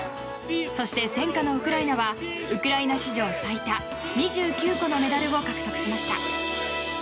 そして戦禍のウクライナはウクライナ史上最多２９個のメダルを獲得しました。